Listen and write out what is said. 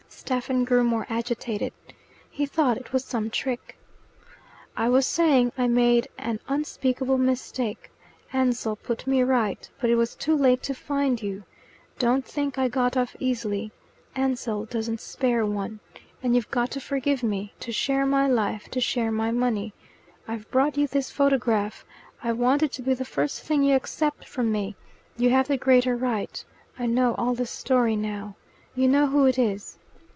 Stephen grew more agitated. He thought it was some trick. "I was saying I made an unspeakable mistake. Ansell put me right, but it was too late to find you. Don't think I got off easily. Ansell doesn't spare one. And you've got to forgive me, to share my life, to share my money. I've brought you this photograph I want it to be the first thing you accept from me you have the greater right I know all the story now. You know who it is?"